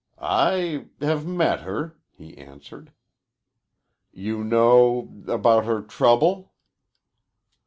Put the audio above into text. "I have met her," he answered. "You know ... about her trouble?"